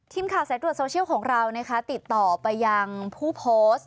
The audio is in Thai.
ทีมข่าวสายตรวจโซเชียลของเรานะคะติดต่อไปยังผู้โพสต์